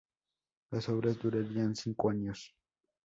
Las obras durarían cinco años.